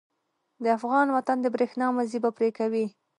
د افغان وطن د برېښنا مزی به پرې کوي.